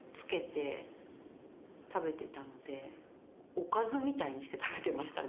おかずみたいにして食べてましたね。